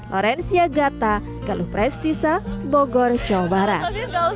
lorensia gata keluh prestisa bogor jawa barat